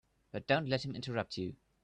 But don't let him interrupt you.